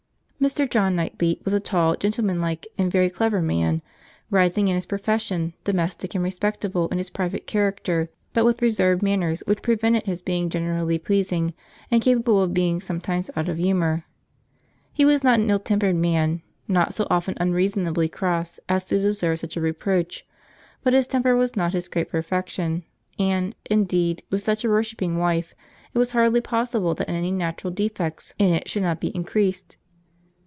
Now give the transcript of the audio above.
Mr. John Knightley was a tall, gentleman like, and very clever man; rising in his profession, domestic, and respectable in his private character; but with reserved manners which prevented his being generally pleasing; and capable of being sometimes out of humour. He was not an ill tempered man, not so often unreasonably cross as to deserve such a reproach; but his temper was not his great perfection; and, indeed, with such a worshipping wife, it was hardly possible that any natural defects in it should not be increased.